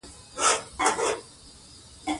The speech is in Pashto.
ازادي راډیو د امنیت په اړه د ننګونو یادونه کړې.